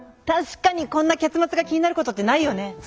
確かにこんな結末が気になることってないよね。